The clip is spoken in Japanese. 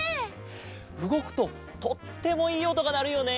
うごくととってもいいおとがなるよね。